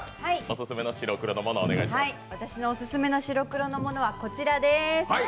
私のオススメの白黒のものはこちらです。